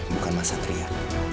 bukan mas satria